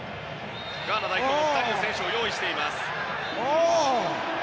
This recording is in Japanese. ガーナ代表、２人の選手を用意しています。